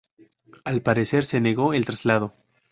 Al parecer se negó el traslado.